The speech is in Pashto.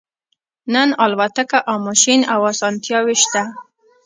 نن الوتکه او ماشین او اسانتیاوې شته